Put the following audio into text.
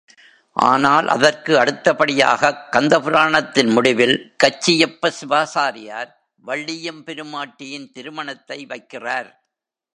ஆனால் அதற்கு அடுத்தபடியாகக் கந்த புராணத்தின் முடிவில் கச்சியப்ப சிவாசாரியார் வள்ளியெம்பெருமாட்டியின் திருமணத்தை வைக்கிறார்.